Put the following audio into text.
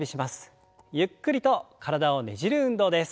ゆっくりと体をねじる運動です。